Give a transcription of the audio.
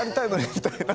みたいな。